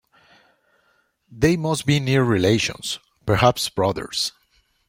They must be near relations, perhaps brothers.